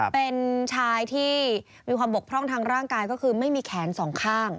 เป็นชายที่มีความบกพร่องทางร่างกายก็คือไม่มีแขนสองข้าง